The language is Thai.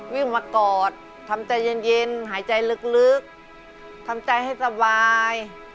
วิ่งมากอดทำใจเย็นหายใจลึกทำใจให้สบาย